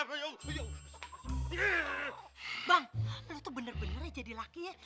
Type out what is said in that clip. bang lu tuh bener bener jadi laki ya